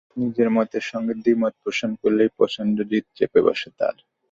নিজের মতের সঙ্গে দ্বিমত পোষণ করলেই প্রচণ্ড জেদ চেপে বসে তার।